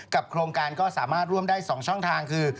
โครงการก็สามารถร่วมได้๒ช่องทางคือ